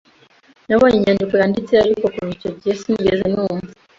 Nabonye inyandiko yanditse, ariko kuva icyo gihe sinigeze numva.